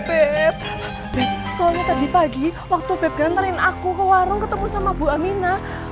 beb soalnya tadi pagi waktu beb gantarin aku ke warung ketemu sama bu aminah